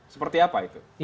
seperti apa itu